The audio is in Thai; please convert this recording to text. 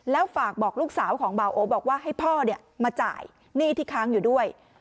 แล้วฝากบอกลูกสาวของเบาโอบอกว่าให้พ่อมาจ่ายหนี้ที่ค้างอยู่ด้วย